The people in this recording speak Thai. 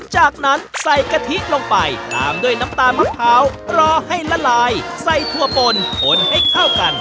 จากนั้นใส่กะทิลงไปตามด้วยน้ำตาลมะพร้าวรอให้ละลายใส่ถั่วปนผลให้เข้ากัน